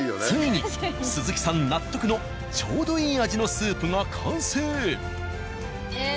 ついに鈴木さん納得のちょうどいい味のスープが完成。